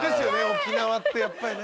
沖縄ってやっぱりね。